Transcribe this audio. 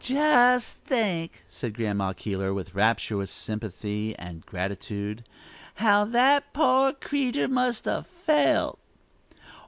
'" "Just think!" said Grandma Keeler, with rapturous sympathy and gratitude, "how that poor creetur must a' felt!"